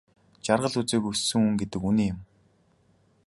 Жаргал үзээгүй өссөн хүн гэдэг үнэн юм.